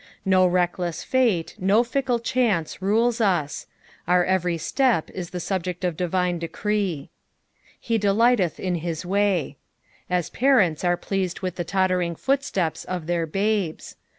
No reckless fate, no fickle chance rules us ; our every step is the subject of divine decree. " Be delighteth in hit teay." As parents are pleased with the tottering footsteps of their babes.